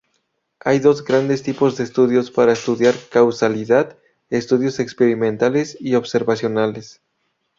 Hay dos grandes tipos de estudios para estudiar causalidad: estudios experimentales y observacionales.